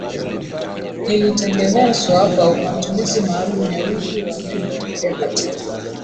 Ilitengenezwa kwa matumizi maalum ya wingi wa neno mpya katika